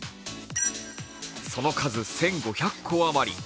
その数１５００戸余り。